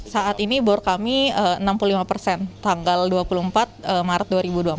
saat ini bor kami enam puluh lima persen tanggal dua puluh empat maret dua ribu dua puluh